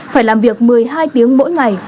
phải làm việc một mươi hai tiếng mỗi ngày